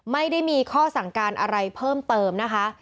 ไม่ได้มีข้อสั่งการอะไรเพิ่มเติมนะคะ